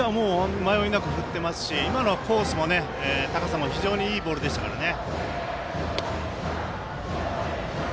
迷いなく振っていますし今のはコースも高さも非常にいいボールでしたからね。